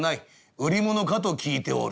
売り物かと聞いておる」。